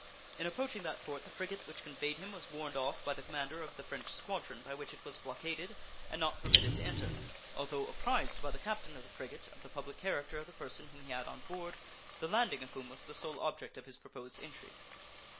In approaching that port the frigate which conveyed him was warned off by the commander of the French squadron by which it was blockaded and not permitted to enter, although apprised by the captain of the frigate of the public character of the person whom he had on board, the landing of whom was the sole object of his proposed entry.